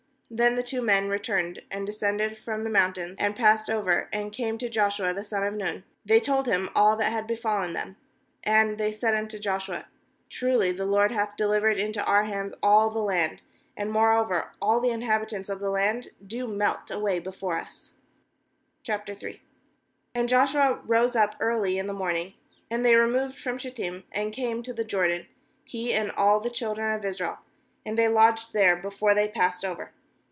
^Then the two men returned, and descended from the mountain, and passed over, and came to Joshua the son of Nun; and they told him all that had befallen them. ^And they said unto Joshua: "Truly the LORD hath delivered into our hands all the land; and moreover all the inhabitants of the land do melt away before us.' O And Joshua rose up early in the ^ morning, and they removed from Shittim, and came to the Jordan, he and all the children of Israel; and they lodged there before they passed over.